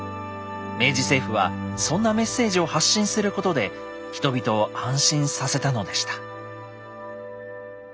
明治政府はそんなメッセージを発信することで人々を安心させたのでした。